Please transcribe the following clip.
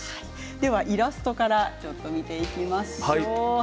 ではイラストから見ていきましょう。